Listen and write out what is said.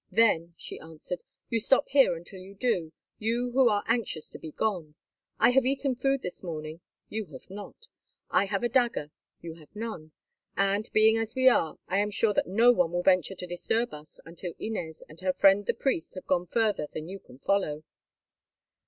"Then," she answered, "you stop here until you do, you who are anxious to be gone. I have eaten food this morning, you have not; I have a dagger, you have none; and, being as we are, I am sure that no one will venture to disturb us until Inez and your friend the priest have gone further than you can follow."